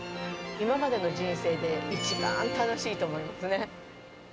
今までの人生で一番楽しいと思いますね。